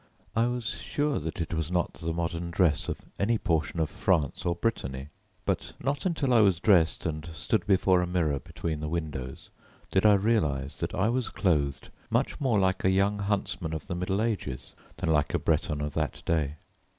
I was sure that it was not the modern dress of any portion of France or Brittany; but not until I was dressed and stood before a mirror between the windows did I realize that I was clothed much more like a young huntsman of the middle ages than like a Breton of that day.